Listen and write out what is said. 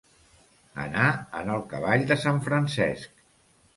Anar en el cavall de sant Francesc.